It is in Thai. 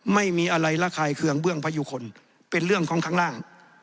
ไม่มีอะไรระคายเคืองเบื้องพยุคลเป็นเรื่องของข้างล่าง